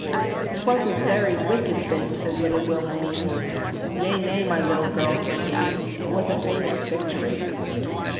"But 'twas a very wicked thing," Said little Wilhelmine. "Nay, nay, my little girl," said he, "It was a famous victory."